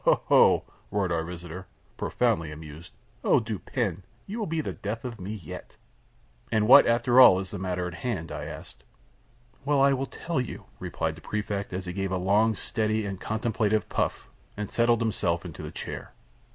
ho! ho! ho!" roared our visitor, profoundly amused, "Oh, Dupin, you will be the death of me yet!" "And what, after all, is the matter on hand?" I asked. "Why, I will tell you," replied the Prefect, as he gave a long, steady, and contemplative puff, and settled himself in his chair.